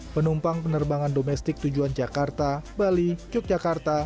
penumpang penerbangan domestik tujuan jakarta bali yogyakarta